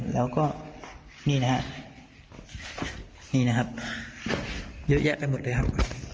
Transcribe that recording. แล้วก็นี่นะครับนี่นะครับเยอะแยะไปหมดเลยครับ